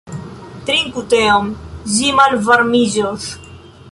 Trinku teon, ĝi malvarmiĝos.